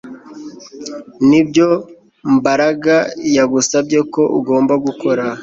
Nibyo Mbaraga yagusabye ko ugomba gukora